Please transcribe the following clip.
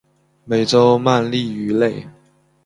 美洲鳗鲡鱼类。